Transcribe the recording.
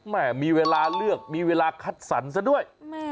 แม่มีเวลาเลือกมีเวลาคัดสรรซะด้วย